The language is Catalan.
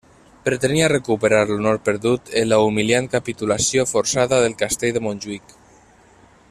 Pretenia de recuperar l'honor perdut en la humiliant capitulació forçada del castell de Montjuïc.